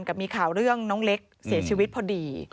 กับมีข่าวเรื่องน้องเล็กเสียชีวิตพอดี